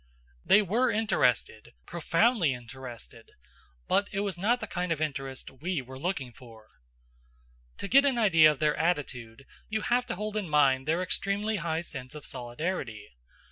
They were interested, profoundly interested, but it was not the kind of interest we were looking for. To get an idea of their attitude you have to hold in mind their extremely high sense of solidarity.